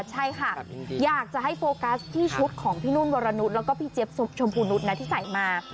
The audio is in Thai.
ใช่ค่ะอยากจะให้โฟกัสที่ชุดของพี่นุ่นวรนุษย์แล้วก็พี่เจี๊ยบชมพูนุษย์นะที่ใส่มา